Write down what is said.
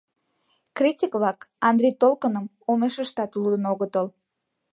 Критик-влак «Андрий Толкыным» омешыштат лудын огытыл.